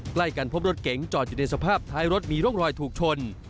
ใกล้กันพบรถเก๋งจอดอยู่ในสภาพท้ายรถมีร่องรอยถูกชน